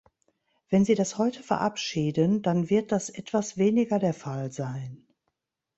Wenn Sie das heute verabschieden, dann wird das etwas weniger der Fall sein.